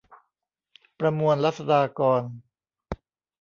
ประมวลรัษฎากร